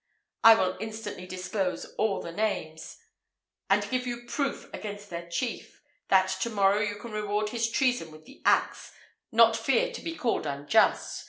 I will instantly disclose all their names, and give you proof against their chief, that to morrow you can reward his treason with the axe, nor fear to be called unjust.